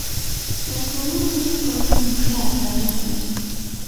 تر څلور زره کلونو زیات تاریخ لري.